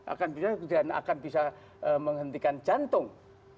akan bisa menghentikan jantung